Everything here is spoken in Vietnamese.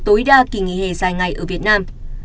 tối đa kỳ nghỉ hè dài ngày ở việt nam